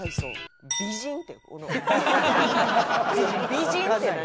「美人」って何？